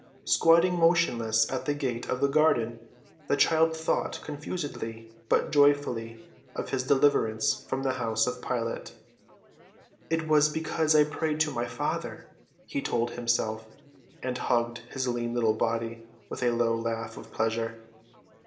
Squatting motionless at the gate of the garden, the child thought confusedly but joyfully of his deliverance from the house of Pilate. "It was because I prayed to my Father," he told himself, and hugged his lean little body with a low laugh of pleasure.